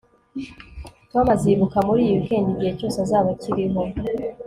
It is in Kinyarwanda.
tom azibuka muri iyi weekend igihe cyose azaba akiriho